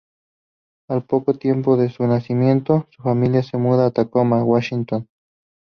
Al poco tiempo de su nacimiento, su familia se muda a Tacoma, Washington.